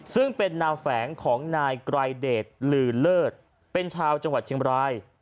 ซึ่งเป็นแนวแฝงของนายไกรเดชลือเลิศเป็นชาวจังหวัดเชียงบราย